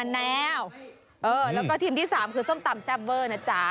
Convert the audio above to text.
แล้วก็ทีมที่๓คือส้มตำแซ่บเวอร์นะจ๊ะ